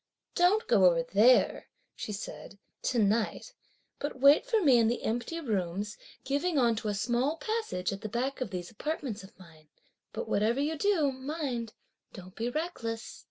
"Don't go over there," she said, "to night, but wait for me in the empty rooms giving on to a small passage at the back of these apartments of mine. But whatever you do, mind don't be reckless."